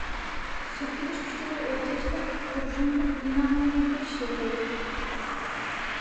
سۈركىلىش كۈچىنى ئۆلچەشتە پۇرژىنىلىق دىنامومېتىر ئىشلىتىلىدۇ.